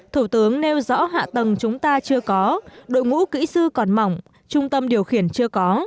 thủ tướng nêu rõ hạ tầng chúng ta chưa có đội ngũ kỹ sư còn mỏng trung tâm điều khiển chưa có